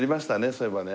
そういえばね。